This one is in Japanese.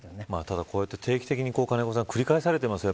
ただ、こうやって定期的に繰り返されてますよね。